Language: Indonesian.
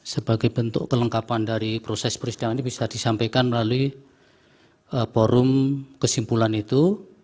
sebagai bentuk kelengkapan dari proses persidangan ini bisa disampaikan melalui forum kesimpulan itu